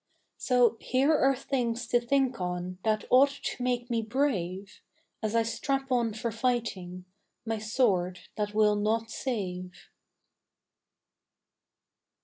So here are things to think on That ought to make me brave, As I strap on for fighting My sword that will not save.